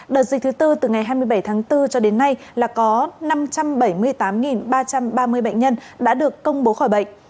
đợt dịch thứ tư từ ngày hai mươi bảy tháng bốn cho đến nay là có năm trăm bảy mươi tám ba trăm ba mươi bệnh nhân đã được công bố khỏi bệnh